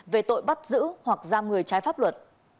về tội bắt giữ hoặc giam người trái pháp luật